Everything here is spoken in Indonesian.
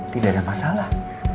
tidak ada masalah